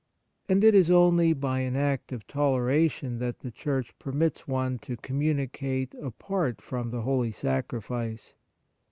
And it is only by an act of toleration that the Church permits one to communicate apart from the Holy Sacrifice.